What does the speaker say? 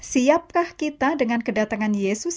siapkah kita dengan kedatangan yesus